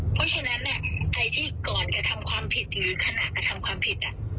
เพราะฉะนั้นใครที่ก่อนกระทำความผิดหรือขณะกระทำความผิด